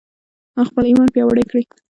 خپل ایمان پیاوړی کړئ.